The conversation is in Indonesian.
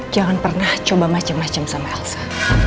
jangan pernah coba macem macem sama elsa